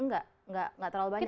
enggak enggak terlalu banyak